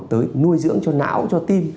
tới nuôi dưỡng cho não cho tim